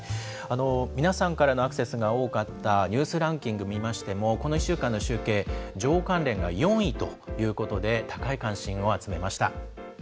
皆さんからのアクセスが多かったニュースランキング見ましても、この１週間の集計、女王関連が４位ということで、高い関心を集めました。